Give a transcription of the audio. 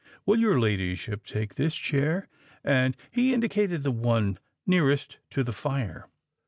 Will your ladyship take this chair?"—and he indicated the one nearest to the fire.